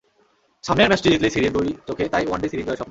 সামনের ম্যাচটি জিতলেই সিরিজ, দুই চোখে তাই ওয়ানডে সিরিজ জয়ের স্বপ্ন।